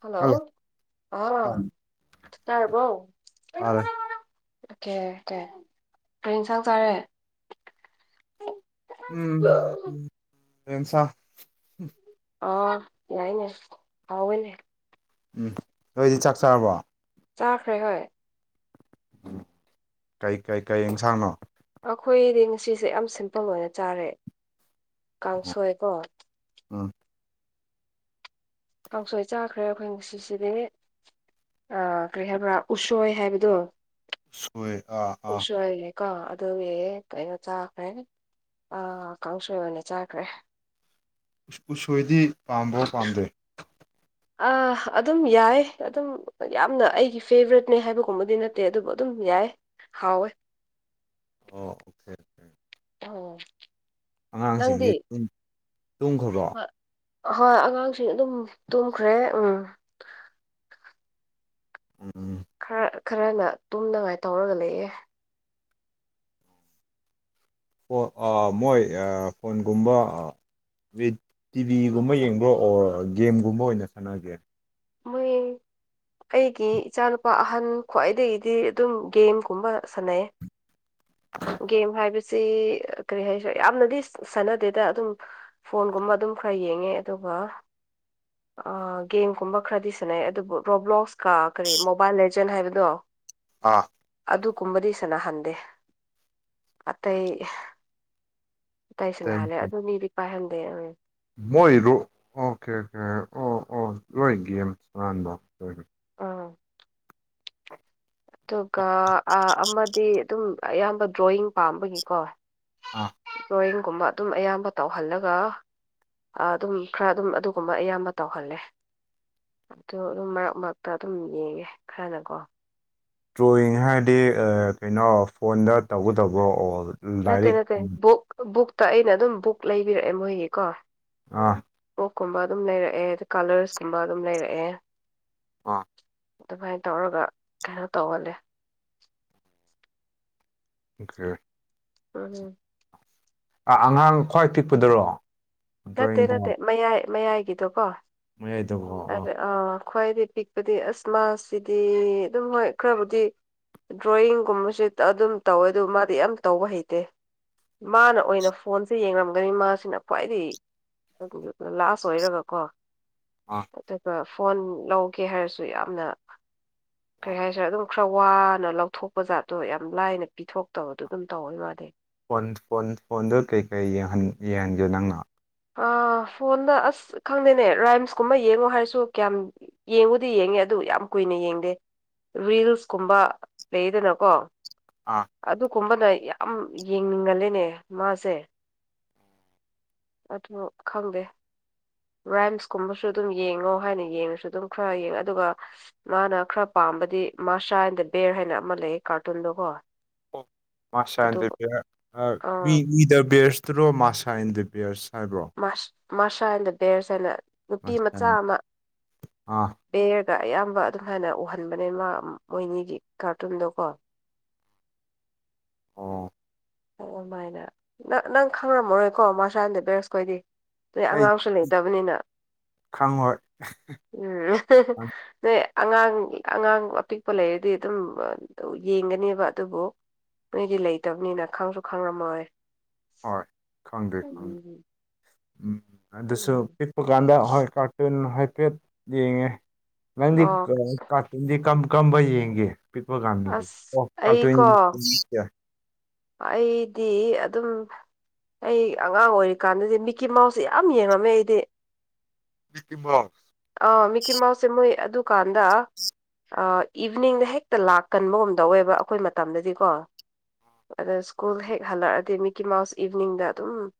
Hello [unintelligible] ꯇꯔꯔꯕꯣ [unintelligible] okay ꯇꯥꯔꯦ okay ꯀꯔꯤ ꯌꯦꯟꯁꯥꯡ ꯆꯥꯔꯦ ꯎꯝ [unintelligible] ꯑꯣ ꯌꯥꯏꯅꯦ ꯍꯥꯎꯋꯦꯅꯦ ꯎꯝ ꯅꯣꯏꯗꯤ ꯆꯥꯛ ꯆꯥꯔꯕꯣ ꯆꯥꯈ꯭ꯔꯦ ꯍꯣꯏ ꯎ ꯀꯩ ꯀꯩ ꯀꯩ ꯑꯦꯟꯁꯥꯡꯅꯣ ꯑꯩꯈꯣꯏꯗꯤ ꯉꯁꯤꯁꯦ ꯌꯥꯝ ꯁꯤꯝꯄꯜ ꯑꯣꯏꯅ ꯆꯥꯔꯦ ꯀꯥꯡꯁꯣꯏꯀꯣ ꯎꯝ ꯀꯥꯡꯁꯣꯏ ꯆꯥꯈ꯭ꯔꯦ ꯑꯩꯈꯣꯏ ꯉꯁꯤꯁꯤꯗꯤ ꯑ ꯀꯔꯤ ꯍꯥꯏꯕ꯭ꯔꯥ ꯎꯁꯣꯏ ꯍꯥꯏꯕꯗꯣ ꯎꯁꯣꯏ ꯑꯥ ꯑꯥ ꯎꯁꯣꯏ ꯀꯥ ꯑꯗꯨꯒꯤ ꯀꯩꯅꯣ ꯆꯥꯈ꯭ꯔꯦ ꯑ ꯀꯥꯡꯁꯣꯏ ꯑꯣꯏꯅ ꯆꯥꯈ꯭ꯔꯦ ꯎꯁꯣꯏꯗꯤ ꯄꯥꯝꯕꯣꯛ ꯄꯥꯝꯗꯦ ꯑꯥ ꯑꯗꯨꯝ ꯌꯥꯏ ꯑꯗꯨꯝ ꯌꯥꯝꯅ ꯑꯩꯒꯤ ꯐꯦꯕꯔꯦꯠꯅꯦ ꯍꯥꯏꯕꯒꯨꯝꯕꯗꯤ ꯅꯠꯇꯦ ꯑꯗꯨꯕꯨ ꯑꯗꯨꯝ ꯌꯥꯏ ꯍꯥꯎꯋꯦ ꯑꯣ [unintelligible] ꯑꯣ ꯅꯪꯗꯤ ꯑꯉꯥꯡꯁꯤꯡꯗꯤ ꯇꯨꯡꯈꯕꯣ ꯍꯣꯏ ꯍꯣꯏ ꯑꯉꯥꯡꯁꯤꯡ ꯑꯗꯨꯝ ꯇꯨꯝꯈ꯭ꯔꯦ ꯎꯝ ꯎꯝ ꯈꯔ ꯈꯔꯅ ꯇꯨꯝꯅꯉꯥꯏ ꯇꯧꯔꯒ ꯂꯩꯌꯦ ꯍꯣ ꯑꯥ.. ꯃꯣꯏ ꯐꯣꯟꯒꯨꯝꯕ ꯇꯤꯚꯤꯒꯨꯝꯕ ꯌꯦꯡꯕ꯭ꯔꯣ ꯑꯣꯔ ꯒꯦꯝꯒꯨꯝꯕ ꯑꯣꯏꯅ ꯁꯥꯟꯅꯒꯦ [unintelligible] ꯑꯩꯒꯤ ꯏꯆꯥꯅꯨꯄꯥ ꯑꯍꯟ ꯈ꯭ꯋꯥꯏꯗꯒꯤꯗꯤ ꯑꯗꯨꯝ ꯒꯦꯝꯒꯨꯝꯕ ꯁꯥꯟꯅꯩꯌꯦ ꯒꯦꯝ ꯍꯥꯏꯕꯁꯤ ꯀꯔꯤ ꯍꯥꯏꯁꯤꯔꯥ ꯌꯥꯝꯅꯗꯤ ꯁꯥꯟꯅꯗꯦꯗ ꯑꯗꯨꯝ ꯐꯣꯟꯒꯨꯝꯕ ꯑꯗꯨꯝ ꯈꯔ ꯌꯦꯡꯉꯦ ꯑꯗꯨꯒ ꯑꯥ ꯒꯦꯝꯒꯨꯝꯕ ꯈꯔꯗꯤ ꯁꯥꯟꯅꯩ ꯑꯗꯨꯕꯨ ꯔꯣꯕ꯭ꯔꯣꯛꯀ ꯀꯔꯤ ꯃꯣꯕꯥꯏꯜ ꯂꯦꯖꯦꯟ ꯍꯥꯏꯕꯗꯣ ꯑꯥ ꯑꯗꯨꯒꯨꯝꯕꯗꯤ ꯁꯥꯟꯅꯍꯟꯗꯦ ꯑꯇꯩ ꯑꯇꯩ ꯁꯅꯥꯍꯜꯂꯦ ꯑꯗꯨ ꯃꯤꯗꯤ ꯄꯥꯏꯍꯟꯗꯦꯝ ꯃꯣꯏꯔꯣ ꯑꯣꯀꯦ ꯑꯣꯀꯦ ꯑꯣ ꯑꯣ [unintelligible] ꯑ ꯑꯇꯨꯒ ꯑꯥ ꯑꯃꯗꯤ ꯑꯗꯨꯝ ꯑꯌꯥꯝꯕ ꯗ꯭ꯔꯣꯌꯤꯡ ꯄꯥꯝꯕꯒꯤꯀꯣ ꯑꯥ ꯗ꯭ꯔꯣꯌꯤꯡꯒꯨꯝꯕ ꯑꯗꯨꯝ ꯑꯌꯥꯝꯕ ꯇꯧꯍꯜꯂꯒ ꯑꯥꯗꯨꯝ ꯈꯔ ꯑꯗꯨꯝ ꯑꯗꯨꯒꯨꯝꯕ ꯑꯌꯥꯝꯕ ꯇꯧꯍꯜꯂꯦ ꯑꯗꯨ ꯑꯗꯨꯝ ꯃꯔꯛ ꯃꯔꯛꯇ ꯑꯗꯨꯝ ꯌꯦꯡꯉꯦ ꯈꯔꯅꯀꯣ ꯗ꯭ꯔꯣꯌꯤꯡ ꯍꯥꯏꯔꯗꯤ ꯑ ꯀꯩꯅꯣ ꯐꯣꯟꯗ ꯇꯧꯒꯗꯧꯕ꯭ꯔꯣ ꯑꯣꯜ ꯅꯠꯇꯦ ꯅꯠꯇꯦ ꯕꯨꯛ ꯕꯨꯛꯇ ꯑꯩꯅ ꯑꯗꯨꯝ ꯕꯨꯛ ꯂꯩꯕꯤꯔꯛꯑꯦ ꯃꯣꯏꯒꯤꯀꯣ ꯑꯥ ꯑꯣꯛꯀꯨꯝꯕ ꯑꯗꯨꯝ ꯂꯩꯔꯛꯑꯦ ꯑꯗ ꯀꯂ꯭ꯔꯁꯀꯨꯝꯕ ꯑꯗꯨꯝ ꯂꯩꯔꯛꯑꯦ ꯑꯥ ꯑꯗꯨꯃꯥꯏ ꯇꯧꯔꯒ ꯀꯩꯅꯣ ꯇꯧꯍꯜꯂꯦ ꯑꯣꯀꯦ ꯃꯥꯅꯤ ꯑ ꯑꯉꯥꯡ ꯈ꯭ꯋꯥꯏ ꯄꯤꯛꯄꯗꯔꯣ ꯅꯠꯇꯦ ꯗ꯭ꯔꯣꯌꯤꯡ ꯄꯥ ꯅꯠꯇꯦ ꯃꯌꯥꯏ ꯃꯌꯥꯏꯒꯤꯗꯨꯀꯣ ꯃꯌꯥꯏꯗꯕꯣ ꯑꯣ ꯑꯗ ꯑꯥ ꯈ꯭ꯋꯥꯏꯗꯩ ꯄꯤꯛ ꯄꯗꯤ ꯑꯁ ꯃꯥꯁꯤꯗꯤ ꯑꯗꯨꯝ ꯍꯣꯏ ꯈꯔꯕꯨꯗꯤ ꯗ꯭ꯔꯣꯌꯤꯡꯒꯨꯝꯕꯁꯨ ꯇꯥ ꯑꯗꯨꯝ ꯇꯧꯋꯦ ꯑꯗꯨ ꯃꯥꯗꯤ ꯌꯥꯝ ꯇꯧꯕ ꯍꯩꯇꯦ ꯃꯥꯅ ꯑꯣꯏꯅ ꯐꯣꯟꯁꯦ ꯌꯦꯡꯔꯝꯒꯅꯤ ꯃꯥꯁꯤꯅ ꯈ꯭ꯋꯥꯏꯗꯒꯤ ꯑꯗꯨꯒ ꯂꯥꯁ ꯑꯣꯏꯔꯒꯀꯣ ꯑꯥ ꯑꯗꯨꯒ ꯐꯣꯟ ꯂꯧꯒꯦ ꯍꯥꯏꯔꯁꯨ ꯌꯥꯝꯅ ꯀꯔꯤ ꯍꯥꯏꯁꯤꯔꯥ ꯑꯗꯨꯝ ꯈꯔ ꯋꯥꯅ ꯂꯧꯊꯣꯛꯄ ꯖꯥꯠꯇꯣ ꯌꯥꯝ ꯂꯥꯏꯅ ꯄꯤꯊꯣꯛꯇꯕꯗꯨ ꯑꯗꯨꯝ ꯇꯧꯋꯦ ꯃꯥꯗꯤ ꯐꯣꯟ ꯐꯣꯟ ꯐꯣꯟꯗꯨ ꯀꯩꯀꯩ ꯌꯦꯡꯍꯟ ꯌꯦꯡꯍꯟꯒꯦ ꯅꯪꯅ ꯑꯥ ꯐꯣꯟꯗ ꯑꯁ ꯈꯪꯗꯦꯅꯦ ꯔꯥꯏꯝꯁꯀꯨꯝꯕ ꯌꯦꯡꯉꯣ ꯍꯥꯏꯔꯁꯨ ꯀꯌꯥꯝ ꯌꯦꯡꯕꯨꯗꯤ ꯌꯦꯡꯉꯦ ꯑꯗꯨ ꯌꯥꯝ ꯀꯨꯏꯅ ꯌꯦꯡꯗꯦ ꯔꯤꯜꯁ ꯀꯨꯝꯕ ꯂꯩꯌꯦꯗꯅꯀꯣ ꯑꯥ ꯑꯗꯨꯀꯨꯝꯕꯅ ꯌꯥꯝ ꯌꯦꯡꯅꯤꯡꯒꯜꯂꯦꯅꯦ ꯃꯥꯁꯦ ꯑꯗꯨ ꯈꯪꯗꯦ ꯔꯥꯏꯝꯁ ꯀꯨꯝꯕꯁꯨ ꯑꯗꯨꯝ ꯌꯦꯡꯉꯣ ꯍꯥꯏꯅ ꯌꯦꯡꯔꯁꯨ ꯑꯗꯨꯝ ꯈꯔ ꯌꯦꯡꯉ ꯑꯗꯨꯒ ꯃꯥꯅ ꯈꯔ ꯄꯥꯝꯕꯗꯤ ꯃꯥꯁꯥ ꯑꯦꯟ ꯗ ꯕꯦꯌ꯭ꯔ ꯍꯥꯏꯅ ꯑꯃ ꯂꯩꯌꯦ ꯀꯥꯔꯇꯨꯟꯗꯣꯀꯣ ꯑꯣ ꯃꯥꯁꯥ ꯑꯦꯟ ꯑꯗꯨ ꯗ ꯕꯤꯌ꯭ꯔ ꯑꯥ ꯋꯤ ꯃꯤ ꯗ ꯕꯤꯌ꯭ꯔꯁ ꯇ꯭ꯔꯣ ꯃꯥꯁꯥ ꯑꯦꯟ ꯗ ꯕꯤꯌ꯭ꯔꯁ ꯍꯥꯏꯕ꯭ꯔꯣ ꯃꯥꯁ ꯃꯥꯁꯥ ꯑꯦꯟ ꯗ ꯕꯦꯌ꯭ꯔꯁ ꯍꯥꯏꯅ ꯅꯨꯄꯤ ꯃꯥꯁꯇꯔ ꯃꯆꯥ ꯑꯦꯟ ꯑꯃ ꯑꯥ ꯕꯦꯌ꯭ꯔꯒ ꯑꯌꯥꯝꯕ ꯑꯗꯨꯍꯥꯏꯅ ꯎꯍꯟꯕꯅꯦ ꯃꯥ ꯃꯣꯏꯅꯤꯒꯤ ꯀꯥꯔꯇꯨꯟꯗꯣꯀꯣ ꯑꯣ ꯑꯣ ꯑꯣꯃꯥꯏꯅ ꯅꯪ ꯅꯪ ꯈꯪꯔꯝꯃꯔꯣꯏꯀꯣ ꯃꯥꯁꯥ ꯑꯦꯟ ꯗ ꯕꯤꯌ꯭ꯔꯁꯈꯣꯏꯗꯤ ꯅꯣꯏ ꯑꯩ ꯑꯉꯥꯡꯁꯨ ꯂꯩꯇꯕꯅꯤꯅ ꯈꯪꯉꯣꯏ ꯎꯝ [unintelligible] ꯅꯣꯏ ꯑꯉꯥꯡꯒꯤ ꯑꯉꯥꯡ ꯑꯄꯤꯛꯄ ꯂꯩꯔꯗꯤ ꯑꯗꯨꯝ ꯑꯗꯨ ꯌꯦꯡꯒꯅꯦꯕ ꯑꯗꯨꯕꯨ ꯅꯣꯏꯗꯤ ꯂꯩꯇꯕꯅꯤꯅ ꯈꯪꯁꯨ ꯈꯪꯔꯝꯃꯔꯣꯏ ꯍꯣꯏ ꯈꯪꯗ꯭ꯔꯦ ꯈꯪꯗꯦ ꯎꯝ ꯑꯗꯨꯁꯨ ꯎꯝ ꯑꯗꯨꯀꯥꯟꯗ ꯍꯣꯏ ꯀꯥꯔꯇꯨꯟ ꯍꯥꯏꯐꯦꯠ ꯌꯦꯡꯉꯦ ꯅꯪꯗꯤ ꯑꯣ ꯀꯔꯥꯏ ꯀꯥꯔꯇꯨꯟꯗꯤ ꯀꯝ ꯀꯔꯝꯕ ꯌꯦꯡꯒꯦ ꯄꯤꯛꯄ ꯀꯥꯟꯗꯗꯤ ꯑꯁ ꯑꯣ ꯀꯥꯔꯇꯨꯟ ꯑꯩꯀꯣ [unintelligible] ꯑꯩꯗꯤ ꯑꯗꯨꯝ ꯑꯩ ꯑꯉꯥꯡ ꯑꯣꯏꯔꯤ ꯀꯥꯟꯗꯗꯤ ꯃꯤꯛꯀꯤ ꯃꯥꯎꯁꯁꯦ ꯌꯥꯝ ꯌꯦꯡꯔꯝꯃꯦ ꯑꯩꯗꯤ ꯃꯤꯀꯤ ꯃꯥꯎꯁ ꯑꯥ ꯃꯤꯀꯤ ꯃꯥꯎꯁ ꯁꯦ ꯃꯣꯏ ꯑꯗꯨꯀꯥꯟꯗ ꯑꯥ ꯏꯚꯤꯅꯤꯡꯗ ꯍꯦꯛꯇ ꯂꯥꯛꯀꯟꯕꯒꯨꯝ ꯇꯧꯋꯦꯕ ꯑꯈꯣꯏ ꯃꯇꯝꯗꯗꯤꯀꯣ ꯑꯗꯨ ꯁ꯭ꯀꯨꯜ ꯍꯦꯛ ꯍꯜꯂꯛꯑꯥꯗꯤ ꯃꯤꯀꯤ ꯃꯥꯎꯁ ꯏꯚꯤꯅꯤꯡꯗ ꯑꯗꯨꯝ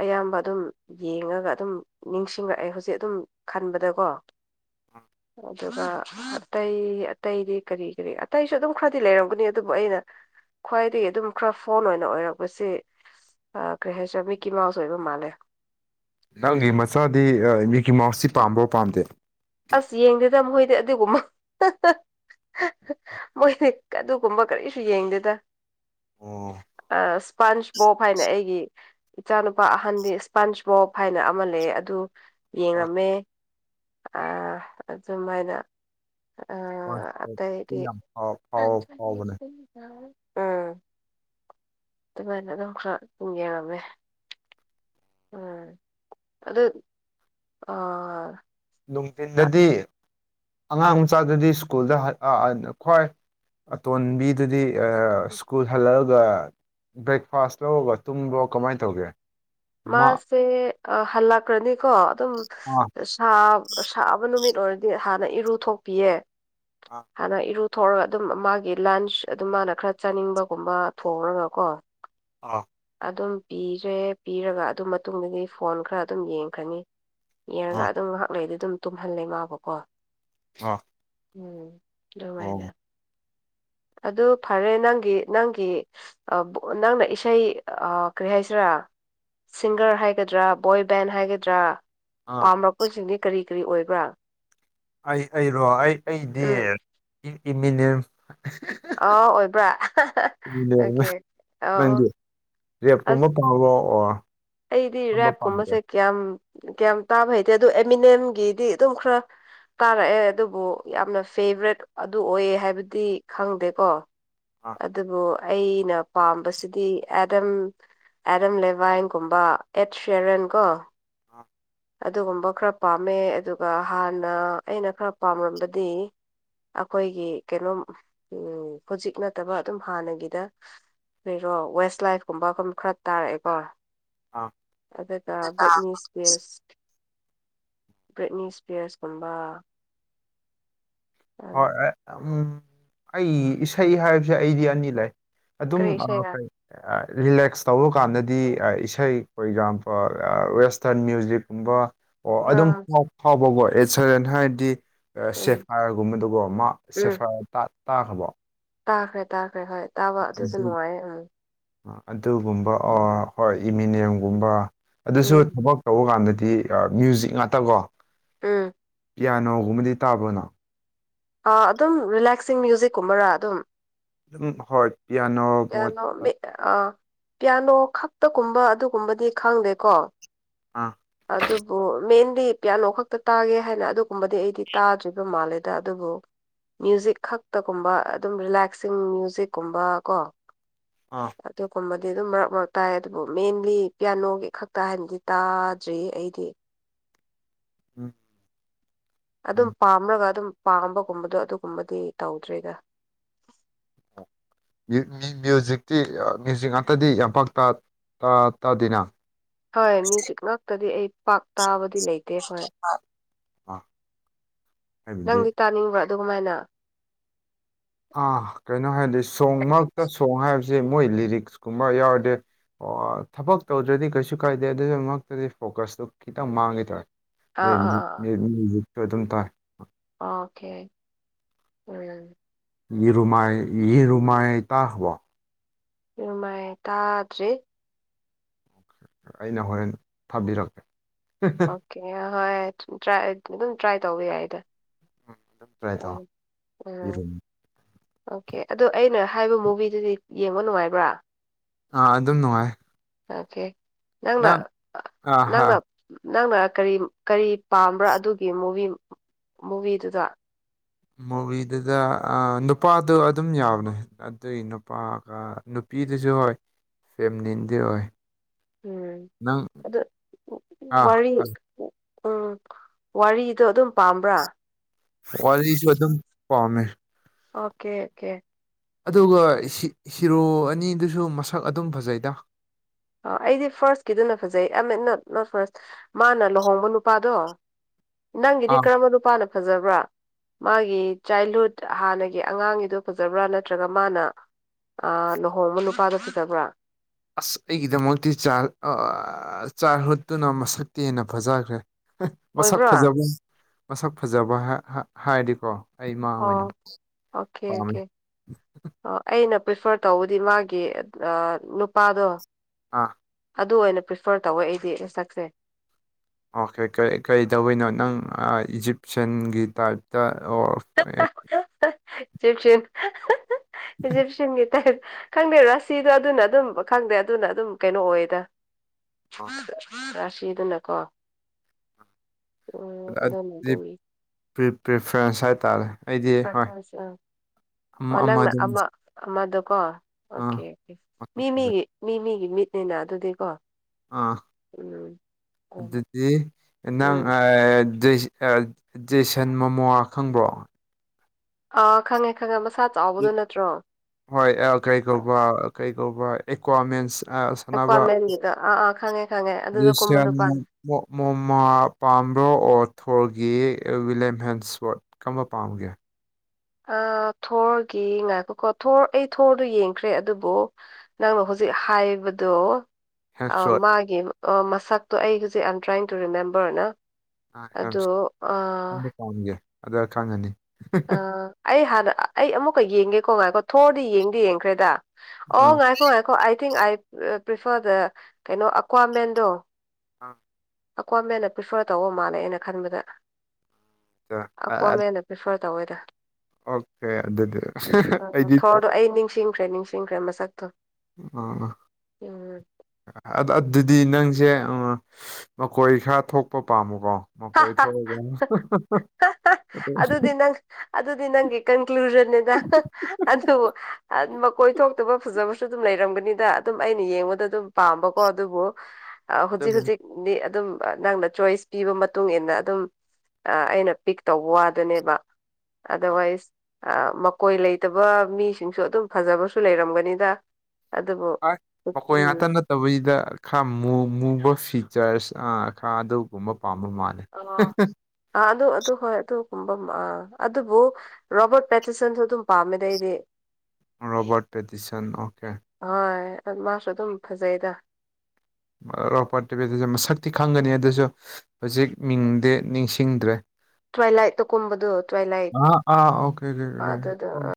ꯑꯌꯥꯝꯕ ꯑꯗꯨꯝ ꯌꯦꯡꯉꯒ ꯑꯗꯨꯝ ꯅꯤꯡꯁꯤꯡꯔꯛꯑꯦ ꯍꯧꯖꯤꯛ ꯑꯗꯨꯝ ꯈꯟꯕ ꯗꯀꯣ [unintelligible] ꯑꯗꯨꯒ [unintelligible] ꯑꯇꯩ ꯑꯇꯩꯗꯤ ꯀꯔꯤ ꯀꯔꯤ ꯑꯇꯩꯁꯨ ꯑꯗꯨꯝ ꯈꯔꯗꯤ ꯂꯩꯔꯝꯒꯅꯤ ꯑꯗꯨꯕꯨ ꯑꯩꯅ ꯈ꯭ꯋꯥꯏꯗꯒꯤ ꯑꯗꯨꯝ ꯈ꯭ꯔ ꯐꯣꯟ ꯑꯣꯏꯅ ꯑꯣꯏꯔꯛꯄꯁꯤ ꯑꯥ ꯀꯔꯤ ꯍꯥꯏꯁꯤꯔꯥ ꯃꯤꯀꯤ ꯃꯥꯎꯁ ꯑꯣꯏꯕ ꯃꯥꯜꯂꯦ ꯅꯪꯒꯤ ꯃꯆꯥꯗꯤ ꯑꯥ ꯃꯤꯀꯤ ꯃꯥꯎꯁꯁꯤ ꯄꯥꯝꯕ꯭ꯔꯣ ꯄꯥꯝꯗꯦ ꯑꯁ ꯌꯦꯡꯗꯦꯗ ꯃꯣꯏꯗꯤ ꯑꯗꯨꯒꯨꯝꯕ [unintelligible] [unintelligible] ꯃꯣꯏꯗꯤ ꯑꯗꯨꯒꯨꯝꯕ ꯀꯔꯤꯁꯨ ꯌꯦꯡꯗꯦꯗꯥ ꯑꯣ ꯑꯥ ꯁ꯭ꯄꯟꯁ ꯕꯣꯞ ꯍꯥꯏꯅ ꯑꯩꯒꯤ ꯏꯆꯥꯅꯨꯄꯥ ꯑꯍꯟꯗꯤ ꯁ꯭ꯄꯟꯁ ꯕꯣꯞ ꯍꯥꯏꯅ ꯑꯃ ꯂꯩꯌꯦ ꯑꯗꯨ ꯄꯥꯝ- ꯌꯦꯡꯔꯝꯃꯦ꯫ ꯑꯥ ꯑꯗꯨꯃꯥꯏꯅ ꯑꯥ ꯄꯥꯝꯗꯦ. ꯑꯇꯩꯗꯤ ꯌꯥꯝ ꯐꯥꯎ [unintelligible] ꯐꯥꯎ ꯎꯝ ꯐꯥꯎꯕꯅꯦ ꯑꯗꯨꯃꯥꯏꯅ ꯑꯗꯨꯝ ꯈꯔ ꯗꯨꯝ ꯌꯦꯡꯔꯝꯃꯦ ꯎꯝ ꯑꯗꯨꯠ ꯑꯣ ꯅꯨꯡꯊꯤꯟꯗꯗꯤ ꯑꯉꯥꯡ ꯃꯆꯥꯗꯨꯗꯤ ꯁ꯭ꯀꯨꯜꯗ [unintelligible] ꯈ꯭ꯋꯥꯏ ꯑꯇꯣꯟꯕꯤꯗꯨꯗꯤ ꯑꯥ ꯁ꯭ꯀꯨꯜ ꯍꯜꯂꯛꯑꯒ ꯕ꯭ꯔꯦꯛꯐꯥꯁ ꯂꯧꯔꯒ ꯇꯨꯝꯕ꯭ꯔꯣ ꯀꯃꯥꯏꯅ ꯇꯧꯒꯦ? ꯃꯥ ꯃꯥꯁꯦ ꯍꯜꯂꯛꯈ꯭ꯔꯅꯤꯀꯣ ꯑꯗꯨꯝ ꯑꯥ ꯁꯥ ꯁꯥꯕ ꯅꯨꯃꯤꯠ ꯑꯣꯏꯔꯗꯤ ꯍꯥꯟꯅ ꯏꯔꯨ ꯊꯣꯛꯄꯤꯌꯦ ꯑꯥ ꯍꯥꯟꯅ ꯏꯔꯨ ꯊꯑꯒ ꯑꯗꯨꯝ ꯃꯥꯒꯤ ꯂꯟꯁ ꯑꯗꯨꯝ ꯃꯥꯅ ꯈꯔ ꯆꯥꯅꯤꯡꯕꯒꯨꯝꯕ ꯊꯣꯡꯔꯒ ꯀꯣ ꯑꯥ ꯑꯗꯨꯝ ꯄꯤꯔꯦ ꯄꯤꯔꯒ ꯑꯗꯨ ꯃꯇꯨꯡꯗꯗꯤ ꯐꯣꯟ ꯈꯔ ꯑꯗꯨꯝ ꯌꯦꯡꯈꯅꯤ ꯌꯦꯔꯒ ꯑꯥ ꯑꯗꯨꯝ ꯉꯥꯏꯍꯥꯛ ꯂꯩꯗꯤ ꯑꯗꯨꯝ ꯇꯨꯝꯍꯜꯂꯦ ꯃꯥꯕꯨꯀꯣ ꯑꯥ ꯎꯝ ꯑꯗꯨꯃꯥꯏꯅꯥ ꯑꯣ ꯑꯗꯨ ꯐꯔꯦ ꯅꯪꯒꯤ ꯅꯪꯒꯤ ꯅꯪꯅ ꯏꯁꯩ ꯀꯔꯤ ꯍꯥꯏꯁꯤꯔꯥ ꯁꯤꯡꯒꯔ ꯍꯥꯏꯒꯗ꯭ꯔꯥ ꯕꯣꯏ ꯕꯦꯟ ꯍꯥꯏꯒꯗ꯭ꯔꯥ ꯑꯥ ꯄꯥꯝꯔꯛꯄꯁꯤꯡꯗꯤ ꯀꯔꯤ ꯀꯔꯤ ꯑꯣꯏꯕ꯭ꯔꯥ? ꯑꯩ ꯑꯩꯔꯣ? ꯑꯩ ꯑꯩꯗꯤ ꯎꯝ ꯏꯃꯤꯅꯦꯝꯁ ꯑꯥꯎ ꯑꯣꯏꯕ꯭ꯔꯥ ꯑꯣꯀꯦ ꯑꯥꯎ ꯔꯦꯞ ꯀꯨꯝꯕ ꯄꯥꯕꯑꯣ ꯑꯩꯗꯤ ꯔꯦꯞꯀꯨꯝꯕꯁꯦ ꯀꯌꯥꯝ ꯀꯌꯥꯝ ꯇꯥꯕ ꯍꯩꯇꯦ ꯑꯗꯨ ꯑꯦꯃꯤꯅꯝꯒꯤꯗꯤ ꯑꯗꯨꯝ ꯈꯔ ꯇꯥꯔꯛꯑꯦ ꯑꯗꯨꯕꯨ ꯌꯥꯝꯅ ꯐꯦꯚꯔꯦꯠ ꯑꯗꯨ ꯑꯣꯏꯌꯦ ꯍꯥꯏꯕꯗꯤ ꯈꯪꯗꯦꯀꯣ ꯑꯥ ꯑꯗꯨꯕꯨ ꯑꯩꯅ ꯄꯥꯝꯕꯁꯤꯗꯤ ꯑꯦꯗꯝ ꯑꯦꯗꯝ ꯂꯦꯕꯥꯏꯟ ꯀꯨꯝꯕ ꯑꯦꯗ ꯁꯦꯔꯦꯟ ꯀꯣ ꯑ ꯑꯗꯨꯒꯨꯝꯕ ꯈꯔ ꯄꯥꯝꯃꯦ ꯑꯗꯨꯒ ꯍꯥꯟꯅ ꯑꯩꯅ ꯈꯔ ꯄꯥꯝꯔꯝꯕꯗꯤ ꯑꯩꯈꯣꯏꯒꯤ ꯀꯩꯅꯣꯝ ꯍꯧꯖꯤꯛ ꯅꯠꯇꯕ ꯑꯗꯨꯝ ꯍꯥꯟꯅꯒꯤꯗ ꯀꯔꯤꯔꯣ ꯋꯦꯁ ꯂꯥꯏꯐ ꯀꯨꯝꯕ ꯈꯔ ꯇꯥꯔꯛꯑꯦꯀꯣ ꯑꯥ ꯑꯗꯨꯒ ꯕ꯭ꯔꯦꯠꯅꯤꯁ ꯢꯁꯀꯤꯟ [unintelligible] ꯏꯁꯄꯤꯌꯁꯀꯨꯝꯕ ꯍꯣꯏ ꯑꯩꯒꯤ ꯏꯁꯩ ꯍꯥꯏꯕꯁꯦ ꯑꯩꯗꯤ ꯑꯅꯤ ꯂꯩ ꯑꯗꯨꯝ ꯀꯔꯤ ꯏꯁꯩꯔ ꯀꯩ ꯔꯤꯂꯦꯛꯁ ꯇꯧꯕ ꯀꯥꯟꯗꯗꯤ ꯏꯁꯩ ꯐꯣꯔ ꯑꯦꯛꯖꯥꯝꯄꯜ ꯋꯦꯁꯇꯔꯟ ꯃ꯭ꯌꯨꯖꯤꯛ ꯀꯨꯝꯕ ꯑꯣ ꯑꯗꯨꯝ ꯑꯥ ꯐꯥꯎꯕꯀꯣ ꯑꯦ ꯁꯔꯦꯟ ꯍꯥꯏꯔꯗꯤ ꯎꯝ ꯁꯦꯐꯥꯏ ꯒꯨꯝꯕꯗꯨꯒꯣ ꯃꯥ ꯎꯝ ꯁꯦꯐꯥꯏ ꯇꯥꯈ꯭ꯔꯕꯣ ꯇꯥꯈ꯭ꯔꯦ ꯇꯥꯈ꯭ꯔꯦ ꯍꯣꯏ ꯇꯥꯕ ꯑꯗꯨꯁꯨ ꯑꯗꯨ ꯅꯨꯡꯉꯥꯏꯌꯦ ꯎꯝ ꯑꯗꯨꯒꯨꯝꯕ ꯍꯣꯏ ꯏꯃꯤꯅꯤꯌꯝꯒꯨꯝꯕ ꯑꯗꯨꯁꯨ ꯎꯝ ꯊꯕꯛ ꯇꯧꯕ ꯀꯥꯟꯗꯗꯤ ꯃ꯭ꯌꯨꯖꯤꯛ ꯉꯥꯛꯇꯀꯣ ꯎꯝ ꯄꯤꯌꯥꯅꯣꯒꯨꯝꯕꯗꯤ ꯇꯥꯕ꯭ꯔꯣ ꯅꯪ ꯑꯗꯨꯝ ꯔꯤꯂꯦꯛꯁꯤꯡ ꯃ꯭ꯌꯨꯖꯤꯛꯀꯨꯝꯕꯔꯥ ꯑꯗꯨꯝ ꯎꯝ ꯍꯣꯏ ꯄꯤꯌꯥꯅꯣ ꯃꯣꯠ ꯄꯤꯌꯥꯅꯣ ꯃꯤ ꯑꯥ ꯄꯤꯌꯥꯅꯣ ꯈꯛꯇꯒꯨꯝꯕ ꯑꯗꯨꯒꯨꯝꯕꯗꯤ ꯈꯪꯗꯦꯀꯣ ꯑꯥ ꯑꯗꯨꯕꯨ ꯃꯦꯟꯗꯤ ꯄꯤꯌꯥꯅꯣ ꯈꯛꯇ ꯇꯥꯒꯦ ꯍꯥꯏꯅ ꯑꯗꯨ ꯀꯨꯝꯕꯗꯤ ꯑꯩꯗꯤ ꯇꯥꯗ꯭ꯔꯤꯕ ꯃꯥꯜꯂꯦ ꯑꯗ ꯑꯗꯨꯕꯨ ꯃ꯭ꯌꯨꯖꯤꯛ ꯈꯛꯇꯒꯨꯝꯕ ꯑꯗꯨꯝ ꯔꯤꯂꯦꯛꯁꯤꯡ ꯃ꯭ꯌꯨꯖꯤꯛꯀꯨꯝꯕ ꯀꯣ ꯑꯥ ꯍꯥꯛꯇꯦꯛꯀꯨꯝꯕꯗꯤ ꯑꯗꯨꯝ ꯃꯔꯛ ꯃꯔꯛ ꯇꯥꯏ ꯑꯗꯨꯕꯨ ꯃꯦꯟꯂꯤ ꯄꯤꯌꯥꯅꯣꯒꯤ ꯈꯛꯇ ꯍꯥꯏꯅꯗꯤ ꯇꯥꯗ꯭ꯔꯤ ꯑꯩꯗꯤ ꯎꯝ ꯑꯗꯨꯝ ꯎꯝ ꯄꯥꯝꯂꯒ ꯑꯗꯨꯝ ꯄꯥꯝꯕꯒꯨꯝꯕꯗꯣ ꯑꯗꯨꯒꯨꯝꯕꯗꯤ ꯇꯧꯗ꯭ꯔꯤꯗ ꯃ꯭ꯌꯨꯖꯤꯛꯇꯤ ꯃ꯭ꯌꯨꯖꯤꯛ ꯉꯥꯛꯇꯗꯤ ꯌꯥꯝꯄꯥꯛ ꯇꯥ ꯇꯥ ꯇꯥꯗꯦꯅ ꯍꯣꯏ ꯃ꯭ꯌꯨꯖꯤꯛ ꯉꯥꯛꯇꯗꯤ ꯑꯩ ꯄꯥꯛ ꯇꯥꯕꯗꯤ ꯂꯩꯇꯦ ꯍꯣꯏ ꯑ [unintelligible] ꯅꯪꯗꯤ ꯇꯥꯅꯤꯡꯕ꯭ꯔꯥ ꯑꯗꯨꯃꯥꯏꯅ ꯑꯥ ꯀꯩꯅꯣ ꯍꯥꯏꯔꯗꯤ ꯁꯣꯡ ꯃꯔꯛꯇ ꯁꯣꯡ ꯍꯥꯏꯕꯁꯤ ꯃꯣꯏ ꯂꯤꯔꯤꯛꯁ ꯀꯨꯝꯕ ꯌꯥꯎꯔꯗꯤ ꯑꯣ ꯊꯕꯛ ꯇꯧꯗ꯭ꯔꯗꯤ ꯀꯩꯁꯨ ꯀꯥꯏꯗꯦ ꯑꯗꯨꯒꯤꯃꯛꯇꯗꯤ ꯐꯣꯀꯁꯇꯨ ꯈꯤꯇꯪ ꯃꯥꯡꯒꯦ ꯇꯧꯔꯦ ꯑꯥ ꯑꯥ ꯑꯥ ꯑꯩꯛꯁꯨ [unintelligible] ꯑꯗꯨꯝ ꯇꯥꯏ ꯑꯣꯀꯦ ꯎꯝ ꯌꯦꯔꯨꯃꯥꯏ ꯏꯔꯨꯃꯥꯏ ꯇꯥꯒ꯭ꯔꯥꯕꯣ [unintelligible] ꯇꯥꯗ꯭ꯔꯤ ꯑꯩꯅ ꯍꯣꯔꯦꯟ ꯊꯝꯕꯤꯔꯛꯀꯦ ꯑꯣꯀꯦ ꯍꯣꯏ ꯑꯗꯨꯝ ꯇ꯭ꯔꯥꯏ ꯇꯧꯕ ꯌꯥꯏꯗ ꯇ꯭ꯔꯥꯏ ꯇꯧ ꯎꯝ ꯎꯝ ꯌꯦꯔꯨꯝ ꯑꯣꯀꯦ ꯑꯗꯣ ꯑꯩꯅ ꯍꯥꯏꯕ ꯃꯨꯚꯤꯗꯨꯗꯤ ꯌꯦꯡꯕ ꯅꯨꯡꯉꯥꯏꯕ꯭ꯔꯥ ꯑꯥ ꯑꯗꯨꯝ ꯅꯨꯡꯉꯥꯏ ꯑꯣꯀꯦ ꯅꯪꯅ ꯅꯪ ꯑꯥ ꯍꯥ ꯅꯪꯅ ꯅꯪꯅ ꯀꯔꯤ ꯀꯔꯤ ꯄꯥꯝꯕ꯭ꯔꯥ ꯑꯗꯨꯒꯤ ꯃꯨꯚꯤ ꯃꯨꯚꯤꯗꯨꯗ ꯃꯨꯚꯤꯗꯨꯗ ꯅꯨꯄꯥꯗꯨ ꯑꯗꯨꯝ ꯌꯥꯕꯅꯦ ꯑꯗꯨꯒꯤ ꯅꯨꯄꯥꯒ ꯅꯨꯄꯤꯗꯨꯁꯨ ꯍꯣꯏ ꯐꯦꯂꯤꯟꯗꯤ ꯑꯣꯏ ꯎꯝ ꯅꯪ ꯑꯗꯨ ꯑꯥ ꯋꯥꯔꯤ ꯎꯝ ꯋꯥꯔꯤꯗꯣ ꯑꯗꯨꯝ ꯄꯥꯝꯕ꯭ꯔꯥ ꯋꯥꯔꯤꯁꯨ ꯑꯗꯨꯝ ꯄꯥꯝꯃꯦ ꯑꯣꯀꯦ ꯎꯀꯦ ꯑꯗꯨꯒ ꯍꯤ ꯍꯤꯔꯣ ꯑꯅꯤꯗꯨꯁꯨ ꯃꯁꯛ ꯑꯗꯨꯝ ꯐꯖꯩꯗ ꯑ ꯑꯩꯗꯤ ꯐꯥꯔꯁꯀꯤꯗꯨꯅ ꯐꯖꯩ ꯑꯥꯏꯃꯤꯟ ꯅꯣꯠ ꯅꯣꯠ ꯐꯥꯔꯁ ꯃꯥꯅ ꯂꯨꯍꯣꯡꯕ ꯅꯨꯄꯥꯗꯣ ꯅꯪꯒꯤꯗꯤ ꯑꯥ ꯀꯔꯝꯕ ꯅꯨꯄꯥꯅ ꯐꯖꯕ꯭ꯔꯥ ꯃꯥꯒꯤ ꯆꯥꯏꯜꯋꯨꯗ ꯍꯥꯟꯅꯒꯤ ꯑꯉꯥꯡꯒꯤꯗꯣ ꯐꯖꯕ꯭ꯔꯥ ꯅꯠꯇ꯭ꯔꯒ ꯃꯥꯅ ꯑꯥ ꯂꯨꯍꯣꯡꯕ ꯂꯨꯄꯥꯗꯣ ꯐꯖꯕꯔ꯭ ꯑꯁ ꯑꯩꯒꯤꯗꯃꯛꯇꯤ ꯆꯥꯏꯜ ꯑꯥ ꯆꯥꯏꯜꯍꯨꯠꯇꯨꯅ ꯃꯁꯛꯇꯤ ꯍꯦꯟꯅ ꯐꯖꯈ꯭ꯔꯦ ꯃꯁꯛ ꯑꯣꯏꯕ꯭ꯔꯥ ꯐꯖꯕ ꯃꯁꯛ ꯐꯖꯕ ꯍꯥ ꯍꯥ ꯍꯥꯏꯔꯗꯤꯀꯣ ꯑꯩꯃꯥ ꯑꯣ ꯑꯣꯏꯅ ꯑꯣꯀꯦ ꯄꯥꯝꯃꯦ ꯑꯣꯀꯦ ꯑꯣ ꯑꯩꯅ ꯄ꯭ꯔꯤꯐꯔ ꯇꯧꯕꯗꯤ ꯃꯥꯒꯤ ꯑꯥ ꯅꯨꯄꯥꯗꯣ ꯑꯥ ꯑꯗꯨ ꯑꯣꯏꯅ ꯄ꯭ꯔꯤꯐꯔ ꯇꯧꯋꯦ ꯑꯩꯗꯤ ꯃꯁꯛꯁꯦ ꯑꯣꯈꯦ ꯀꯩ ꯀꯩ ꯗꯧꯕꯩꯅꯣ ꯅꯪ ꯑ ꯏꯖꯤꯞꯁꯤꯌꯟꯒꯤ ꯇꯥꯏꯞꯇ ꯑꯣ ꯖꯤꯞꯁꯤꯌꯟ ꯏꯖꯤꯞꯁꯤꯌꯟꯒꯤ ꯇꯥꯏꯞ ꯈꯪꯗꯦ ꯔꯥꯁꯤꯗꯣ ꯑꯗꯨꯅ ꯑꯗꯨꯝ ꯈꯪꯗꯦ ꯑꯗꯨꯅ ꯑꯗꯨꯝ ꯀꯩꯅꯣ ꯑꯣꯏꯌꯦꯗ ꯑꯥ ꯔꯥꯁꯤꯗꯨꯅꯀꯣ ꯎꯝ ꯑꯗ ꯑꯗꯨꯅ ꯗꯤ ꯑꯗꯨꯝ ꯄꯔ꯭ꯤ ꯄ꯭ꯔꯤꯐꯔꯦꯟꯁ ꯍꯥꯏꯇꯥꯔꯦ ꯑꯩꯗꯤ ꯍꯣꯏ ꯄ꯭ꯔꯐꯔꯦꯟꯁ ꯑꯥ ꯑꯃ ꯑꯣ ꯅꯪꯅ ꯑꯃꯗꯨꯝ ꯑꯃ ꯑꯃꯗꯣꯀꯣ ꯑꯣꯀꯦ ꯑꯣꯀꯦ ꯃꯤ ꯃꯁꯛ ꯐꯖꯩ ꯃꯤꯒꯤ ꯃꯤ ꯃꯤꯒꯤ ꯃꯤꯠꯅꯤꯅ ꯑꯗꯨꯗꯤꯀꯣ ꯑ ꯎꯝ ꯑꯗꯨꯗꯤ ꯑ ꯅꯪ ꯎꯝ ꯑꯥꯏꯗꯤ ꯑꯦ ꯖꯦꯁꯟ ꯃꯣꯃꯣ ꯈꯪꯕ꯭ꯔꯣ ꯑꯥ ꯈꯪꯉꯦ ꯈꯪꯉꯦ ꯃꯁꯥ ꯆꯥꯎꯕꯗꯣ ꯅꯠꯇ꯭ꯔꯣ ꯍꯣꯏ ꯑꯦꯜ ꯀꯔꯤ ꯀꯧꯕꯔ꯭ ꯀꯔꯤ ꯀꯧꯕꯔ꯭ ꯑꯦꯀ꯭ꯋꯥꯃꯦꯟꯁ ꯑꯥ ꯁꯟꯅꯕ ꯑꯦꯀ꯭ꯋꯥꯃꯦꯟꯒꯤꯗ ꯑꯥ ꯑꯥ ꯈꯪꯉꯦ ꯈꯪꯉꯦ ꯑꯗꯨꯗ ꯀꯨꯝꯕ ꯖꯁꯌ꯭ꯥꯟ ꯃꯣ ꯅꯨꯄꯥꯗꯣ ꯃꯣ ꯃꯣꯃꯥ ꯄꯥꯝꯕ꯭ꯔꯣ ꯑꯣꯊꯣꯔꯒꯤ ꯋꯤꯂꯤꯌꯝ ꯍꯦꯟꯁꯋꯥꯔꯠ ꯀꯝꯕ ꯄꯥꯝꯒꯦ ꯑ ꯊꯣꯔꯒꯤ ꯉꯥꯏꯈꯣꯀꯣ ꯊꯣꯔ ꯑꯩ ꯊꯣꯔꯗꯣ ꯌꯦꯡꯈ꯭ꯔꯦ ꯑꯗꯨꯕꯨ ꯅꯪꯅ ꯍꯧꯖꯤꯛ ꯍꯥꯏꯕꯗꯣ ꯑꯥ ꯍꯦꯝꯁꯋꯠ ꯃꯥꯒꯤ ꯑꯣ ꯃꯁꯛꯇꯣ ꯑꯩ ꯍꯨꯖꯤꯛ ꯑꯥꯏꯌꯦꯝ ꯇ꯭ꯔꯥꯏꯟ ꯇꯨ ꯔꯤꯃꯦꯝꯕꯔ ꯅ ꯑꯗꯣ [unintelligible] ꯑꯥ ꯑꯗꯨ ꯈꯪꯉꯅꯤ ꯑꯥ ꯑꯩ ꯍꯥꯟꯅ ꯑꯩ ꯑꯃꯨꯛꯀ ꯌꯦꯡꯒꯦꯀꯣ ꯉꯥꯏꯈꯣ ꯊꯣꯔꯗꯤ ꯌꯦꯡꯗꯤ ꯌꯦꯡꯈ꯭ꯔꯦꯗ ꯑꯣ ꯑꯥ ꯉꯥꯏꯈꯣ ꯉꯥꯏꯈꯣ ꯑꯥꯏ ꯊꯤꯡꯛ ꯑꯥꯏ ꯄ꯭ꯔꯤꯐꯔ ꯗ ꯀꯩꯅꯣ ꯑꯀ꯭ꯋꯥꯃꯦꯟꯗꯣ ꯑ ꯑꯀꯋ꯭ꯥꯃꯦꯟꯅ ꯄꯔ꯭ꯤꯐꯔ ꯇꯧꯕ ꯃꯥꯜꯂꯦ ꯑꯩꯅ ꯈꯟꯕꯗ ꯑꯥ ꯑꯀꯋ꯭ꯥꯃꯦꯟꯅ ꯄ꯭ꯔꯤꯐꯔ ꯇꯧꯋꯦꯗ ꯑꯣꯈꯦ ꯑꯗꯨꯗꯤ ꯎꯝ ꯑꯩꯗꯤ ꯊꯣꯔꯗꯣ ꯑꯩ ꯅꯤꯡꯁꯤꯡ ꯈꯔ꯭ꯦ ꯅꯤꯡꯁꯤꯡꯈꯔ꯭ꯦ ꯃꯁꯛꯇꯣ ꯑ ꯑ ꯎꯝ ꯑꯗ ꯑꯗꯨꯗꯤ ꯅꯪꯁꯦ ꯑꯥ ꯃꯀꯣꯏ ꯈꯔ ꯊꯣꯛꯄ ꯄꯥꯝꯕꯀꯣ ꯃꯀꯣꯏ ꯊꯣꯛꯔ ꯑꯗꯨꯗꯤ [unintelligible] ꯅꯪ ꯑꯗꯨꯗꯤ ꯅꯪꯒꯤ ꯀꯟꯀ꯭ꯂꯨꯖꯟꯅꯦꯗ ꯑꯗꯨꯕꯨ ꯃꯀꯣꯏ ꯊꯣꯛ ꯇꯕ ꯐꯖꯕꯁꯨ ꯑꯗꯨꯝ ꯂꯩꯔꯝꯒꯅꯤꯗ ꯑꯗꯨꯝ ꯑꯩꯅ ꯌꯦꯡꯕꯗ ꯑꯗꯨꯝ ꯄꯥꯝꯕꯀꯣ ꯑꯗꯨꯕꯨ ꯑ ꯍꯨꯖꯤꯛ ꯑꯗꯨꯒ, ꯍꯨꯖꯤꯛꯗꯤ ꯑꯗꯨꯝ ꯅꯪꯅ ꯆꯣꯏꯁ ꯄꯤꯕ ꯃ ꯃꯇꯨꯡ ꯏꯟꯅ ꯑꯗꯨꯝ ꯑꯥ ꯑꯩꯅ ꯄꯤꯛ ꯇꯧꯕ ꯋꯥꯗꯨꯅꯦꯕ ꯑꯗ꯭ꯔꯋꯥꯏꯁ ꯑ ꯃꯀꯣꯏ ꯂꯩꯇꯕ ꯃꯤꯁꯤꯡꯁꯨ ꯑꯗꯨꯝ ꯐꯖꯕꯁꯨ ꯂꯩꯔꯝꯒꯅꯤꯗ ꯑꯗꯨꯕꯨ ꯄꯛꯎꯝ ꯇꯕꯨꯏꯗ ꯈꯔ ꯃꯨ ꯃꯨꯕ ꯐꯤꯆ꯭ꯔꯁ ꯑꯥ ꯈꯔ ꯑꯗꯨꯒꯨꯝꯕ ꯄꯥꯝꯕ ꯃꯥꯜ ꯑꯣ ꯑꯥ ꯑꯗꯨ ꯑꯗꯨ ꯍꯣꯏ ꯑꯗꯨꯒꯨꯝꯕ ꯃꯥ ꯑꯗꯨꯕꯨ ꯔꯣꯕꯣꯠ ꯄꯦꯇꯤꯁꯟꯁꯨ ꯑꯗꯨꯝ ꯄꯥꯝꯃꯦꯗ ꯑꯩꯗꯤ ꯔꯣꯕ‍꯭ꯥꯔꯠ ꯄꯦꯇꯤꯁꯟ ꯑꯣꯀꯦ ꯍꯣꯏ ꯑꯗ ꯃꯥꯁꯨ ꯑꯗꯨꯝ ꯐꯖꯩꯗ ꯔꯣꯛꯄꯥ꯭ꯔꯠ ꯇꯤꯕꯦꯗꯤꯖꯝ ꯃꯁꯛꯇꯤ ꯈꯪꯒꯅꯤ ꯑꯗꯨꯖꯨ ꯍꯧꯖꯤꯛ ꯃꯤꯡꯗꯤ ꯅꯤꯡꯁꯤꯡꯗ꯭ꯔꯦ ꯇ꯭ꯋꯥꯏꯂꯥꯏꯠꯇ ꯀꯨꯝꯕꯗꯣ ꯇ꯭ꯋꯥꯏꯂꯥꯏꯠ ꯑꯍꯥ ꯑꯥ ꯑꯣꯀꯦ [unintelligible] ꯑꯗꯨꯗꯣ ꯑ